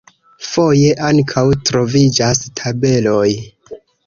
Foje ankaŭ troviĝas tabeloj.